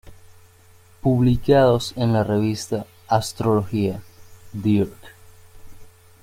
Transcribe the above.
Publicados en la revista "Astrología", dir.